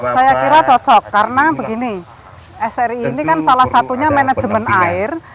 saya kira cocok karena begini sri ini kan salah satunya manajemen air